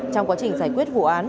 trong quá trình giải quyết vụ án